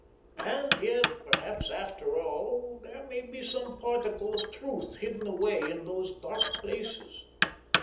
And yet, perhaps after all, there may be some particle of truth hidden away in these dark places."